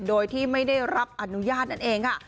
โดยที่ไม่ได้รับอนุญาตนั่นเองค่ะ